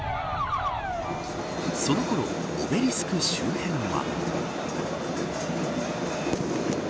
そのころオベリスク周辺は。